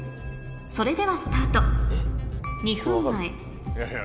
それではスタート２分前これ分かる？